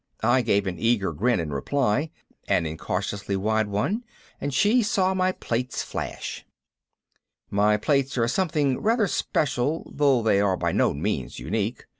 I gave an eager grin in reply, an incautiously wide one, and she saw my plates flash. My plates are something rather special though they are by no means unique.